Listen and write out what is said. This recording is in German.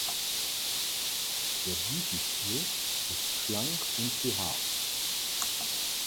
Der Blütenstiel ist schlank und behaart.